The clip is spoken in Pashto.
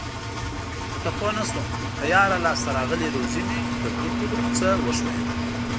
ورته پوه نشوم تیاره لاس ته راغلې روزي مې له ګوتو نه و ښویېده.